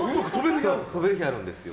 飛べる日があるんですよ。